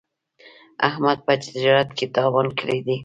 احمد په تجارت کې تاوان کړی دی.